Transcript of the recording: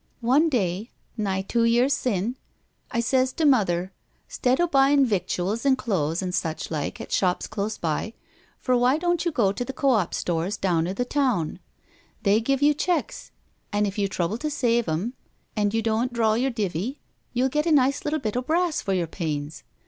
"One day, nigh two years sin', I sez to Mother, * 'stead o' buyin' victuals an' clothes an* suchlike at shops close by, for why don't you go to the Co op Stores down i' the town—they give you checks an' if you trouble to save 'em and you doan't draw your divi you'll get a nice little bit o' brass for your pains.'